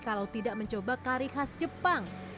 kalau tidak mencoba kari khas jepang